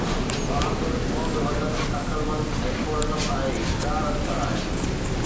بهادر، محب وطن، عقلمند ۽ پرعزم اهي چار عنصر آهن.